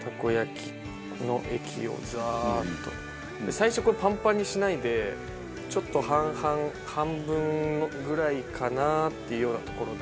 最初パンパンにしないでちょっと半々半分ぐらいかなっていうようなところで。